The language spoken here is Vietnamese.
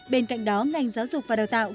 bên cạnh đó ngành giáo dục và đào tạo